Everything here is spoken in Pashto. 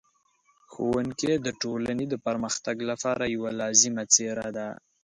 ښوونکی د ټولنې د پرمختګ لپاره یوه لازمي څېره ده.